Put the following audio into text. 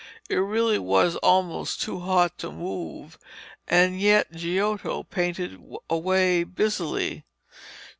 It really was almost too hot to move, and yet Giotto painted away busily.